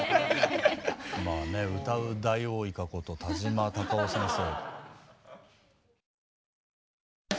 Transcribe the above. まあね歌うダイオウイカこと田島貴男先生。